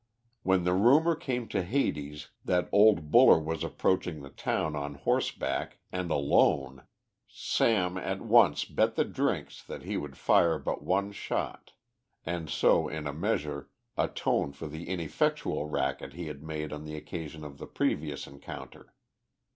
When the rumour came to Hades that old Buller was approaching the town on horseback and alone, Sam at once bet the drinks that he would fire but one shot, and so, in a measure, atone for the ineffectual racket he had made on the occasion of the previous encounter.